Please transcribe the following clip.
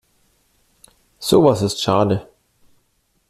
Sowas ist schade.